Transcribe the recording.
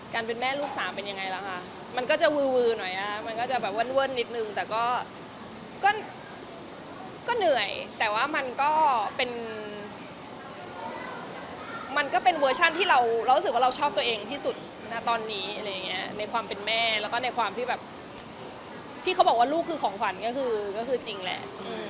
เป็นแม่ลูกสามเป็นยังไงล่ะคะมันก็จะวือหน่อยมันก็จะแบบเว่นนิดนึงแต่ก็เหนื่อยแต่ว่ามันก็เป็นมันก็เป็นเวอร์ชันที่เรารู้สึกว่าเราชอบตัวเองที่สุดนะตอนนี้อะไรอย่างเงี้ยในความเป็นแม่แล้วก็ในความที่แบบที่เขาบอกว่าลูกคือของขวัญก็คือก็คือจริงแหละ